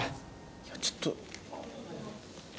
いやちょっと。